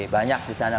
banyak di sana